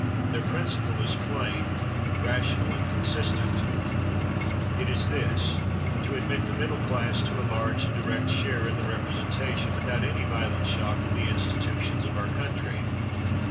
Their principle is plain, rational, and consistent. It is this: to admit the middle class to a large and direct share in the representation, without any violent shock to the institutions of our country.